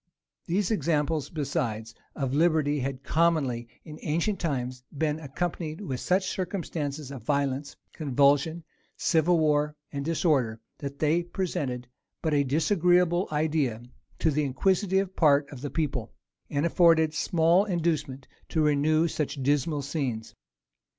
These examples, besides, of liberty had commonly, in ancient times, been accompanied with such circumstances of violence, convulsion, civil war, and disorder, that they presented but a disagreeable idea to the inquisitive part of the people, and afforded small inducement to renew such dismal scenes.